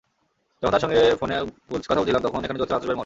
যখন তাঁর সঙ্গে ফোনে কথা বলছিলাম তখন এখানে চলছিল আতশবাজির মহড়া।